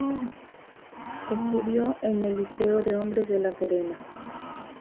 Estudió en el Liceo de Hombres de La Serena.